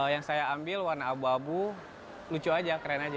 yang saya ambil warna abu abu lucu aja keren aja